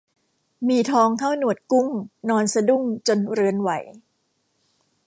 มีทองเท่าหนวดกุ้ง นอนสะดุ้งจนเรือนไหว